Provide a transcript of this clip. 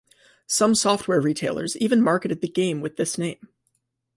Some software retailers even marketed the game with this name.